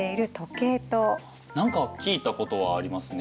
何か聞いたことはありますね。